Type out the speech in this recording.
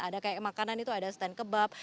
ada kayak makanan itu ada stand kebab